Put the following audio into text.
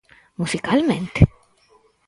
Musicalmente?